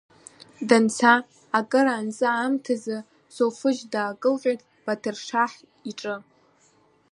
Данца, акыр анҵы аамҭазы, Соуфыџь даакылҟьеит Баҭыршаҳ иҿы.